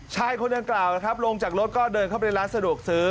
ใช่คนเดินกล่าวลงจากรถก็เดินเข้าไปร้านสะดวกซื้อ